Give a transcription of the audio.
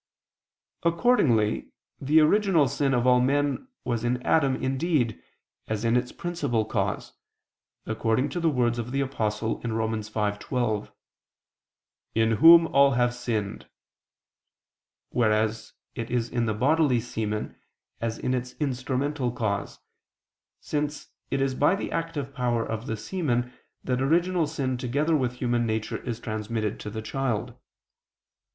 Accordingly the original sin of all men was in Adam indeed, as in its principal cause, according to the words of the Apostle (Rom. 5:12): "In whom all have sinned": whereas it is in the bodily semen, as in its instrumental cause, since it is by the active power of the semen that original sin together with human nature is transmitted to the child.